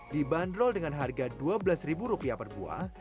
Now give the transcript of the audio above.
dibanderol dengan harga rp dua belas per buah